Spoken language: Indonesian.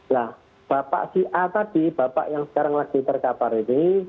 nah bapak si a tadi bapak yang sekarang lagi terkapar ini